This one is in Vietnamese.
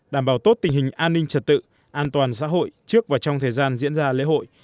đảm bảo tốt tình hình an ninh trật tự an toàn xã hội trước và trong thời gian diễn ra lễ hội